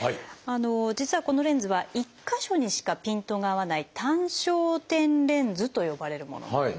実はこのレンズは１か所にしかピントが合わない単焦点レンズと呼ばれるものなんですね。